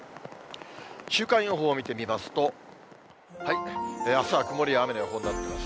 週間予報を見てみますと、あすは曇りや雨の予報になってます。